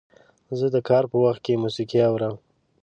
زه د کار په وخت کې موسیقي اورم.